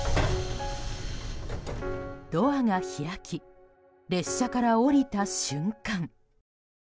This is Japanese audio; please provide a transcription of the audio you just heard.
ドアが開き列車から降りた瞬間。